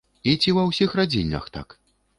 І ці ва ўсіх радзільнях так?